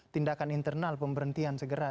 tindakan internal pemberhentian segera